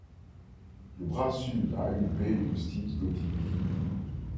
Le bras sud a une baie de style gothique.